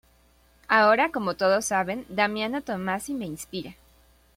Ahora, como todos saben, Damiano Tommasi me inspira.